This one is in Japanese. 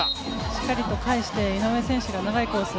しっかりと返して井上選手が長いコース